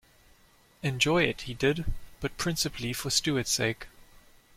Enjoy it he did, but principally for Steward's sake.